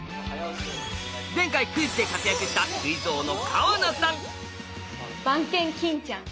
前回クイズで活躍したクイズ王の川名さん。